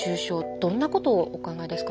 どんなことをお考えですか。